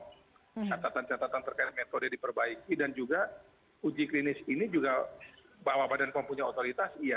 catatan catatan terkait metode diperbaiki dan juga uji klinis ini juga bahwa badan pom punya otoritas iya